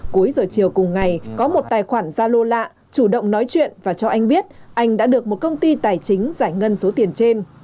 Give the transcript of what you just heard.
cuối giờ chiều cùng ngày có một tài khoản gia lô lạ chủ động nói chuyện và cho anh biết anh đã được một công ty tài chính giải ngân số tiền trên